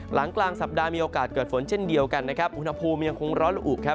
หลังกลางสัปดาห์มีโอกาสเกิดฝนเช่นเดียวกันอุณหภูมิยังคงร้อนละอุ